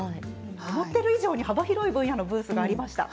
思っている以上に幅広い分野のブースがありました。